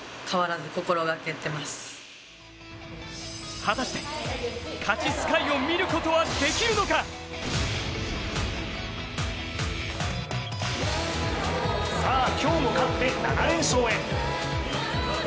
果たして、「勝ちＳＫＹ」を見ることは出来るのかさあ、今日も勝って７連勝へ。